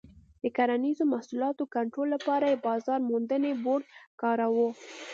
د کرنیزو محصولاتو کنټرول لپاره یې بازار موندنې بورډ کاراوه.